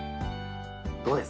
どうです？